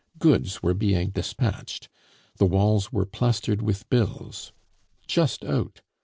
Goods were being despatched. The walls were plastered with bills: JUST OUT.